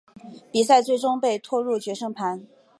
比赛最终被拖入决胜盘。